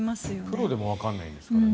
プロでもわからないんですからね。